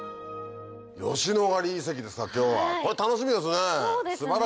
吉野ヶ里遺跡ですか今日はこれ楽しみですね。